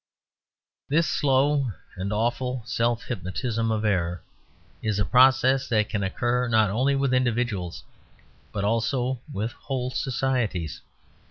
This slow and awful self hypnotism of error is a process that can occur not only with individuals, but also with whole societies.